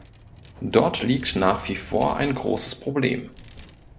Dort liegt nach wie vor ein großes Problem.